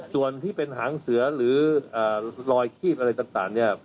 ส่วนที่เป็นหางเสือหรือรอยคีบอะไรต่างเนี่ย